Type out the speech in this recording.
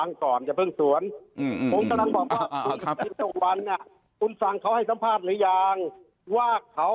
กทุศีสวรรค์ฟังก่อนอย่าเพิ่งสวน